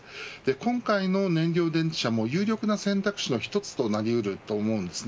今回の燃料電池車も、有力な選択肢の一つとなり得ると思います。